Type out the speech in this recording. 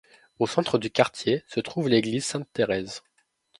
Au centre du quartier se trouve l'église Sainte-Thérèse.